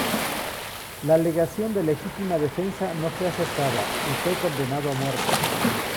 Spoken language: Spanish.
La alegación de legítima defensa no fue aceptada y fue condenado a muerte.